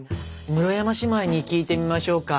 室山姉妹に聞いてみましょうか。